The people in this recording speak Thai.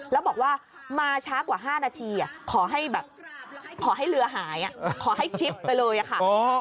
แล้วบอกว่ามาช้ากว่า๕นาทีขอให้แบบขอให้เรือหายขอให้ชิปไปเลยอะค่ะ